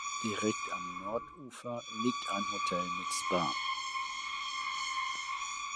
Direkt am Nordufer liegt ein Hotel mit Spa.